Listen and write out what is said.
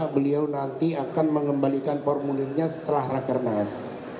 beliau nanti akan mengembalikan formulirnya setelah rakernas